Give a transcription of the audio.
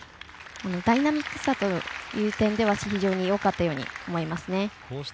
ダイナミックさという点では非常によかったように思います。